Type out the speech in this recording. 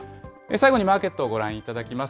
最後にマーケットをご覧いただきます。